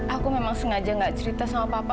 aku memang sengaja gak cerita sama papa